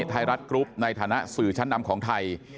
ไทยรัฐกรุ๊ปในฐานะสื่อชั้นนำของไทย